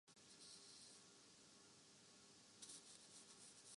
سعودی عرب نے video games FIFA World Cup جیت لیا